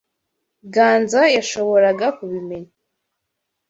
Ganza yashoboraga kubimenya.